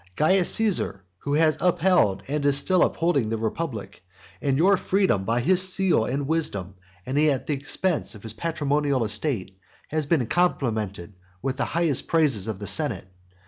Caius Caesar, who has upheld and who is still upholding the republic and your freedom by his seal and wisdom, and at the expense of his patrimonial estate, has been complimented with the highest praises of the senate.